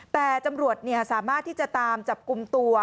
แต่ตำรวจสามารถที่จะตามจับกลุ่มตัว